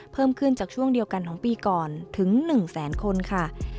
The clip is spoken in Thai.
เพิ่มขึ้นจากช่วงเดียวกันของปีก่อนถึง๑แสนคนค่ะ